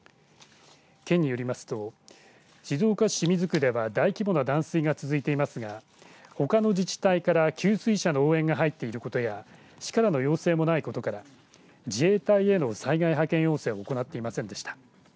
県によりますと静岡市清水区では大規模な断水が続いていますがほかの自治体から給水車の応援が入っていることや市からの要請もないことから自衛隊への災害派遣要請を行っていませんでした。